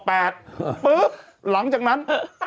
ปุ๊บหลังจากนั้น